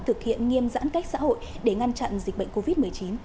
thực hiện nghiêm giãn cách xã hội để ngăn chặn dịch bệnh covid một mươi chín